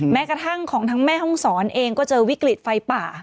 แม้กระทั่งของทั้งแม่ห้องศรเองก็เจอวิกฤตไฟป่า